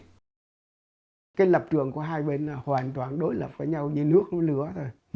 cái lập trường của hai bên là hoàn toàn đối lập với nhau như nước với lửa thôi